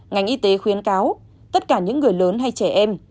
ngành y tế khuyến cáo tất cả những người lớn hay trẻ em